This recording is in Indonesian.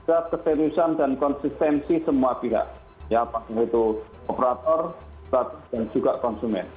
tidak keseluruhan dan konsistensi semua pihak ya apalagi itu operator dan juga konsumen